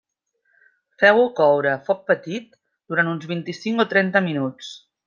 Feu-ho coure a foc petit, durant uns vint-i-cinc o trenta minuts.